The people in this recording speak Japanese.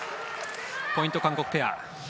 ポイント、韓国ペア。